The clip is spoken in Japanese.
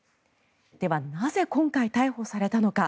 ではなぜ今回、逮捕されたのか。